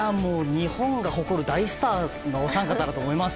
日本が誇る大スターのお三方だと思います。